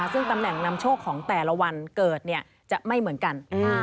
ซึ่งตำแหน่งนำโชคของแต่ละวันเกิดจะไม่เหมือนกัน